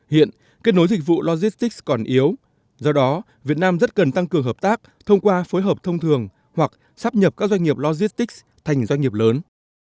hiện kết nối dịch vụ logistics còn yếu do đó việt nam rất cần tăng cường hợp tác thông qua phối hợp thông thường hoặc sắp nhập các doanh nghiệp logistics thành doanh nghiệp lớn